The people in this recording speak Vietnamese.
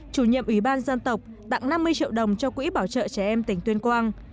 chủ nhiệm ủy ban dân tộc tặng năm mươi triệu đồng cho quỹ bảo trợ trẻ em tỉnh tuyên quang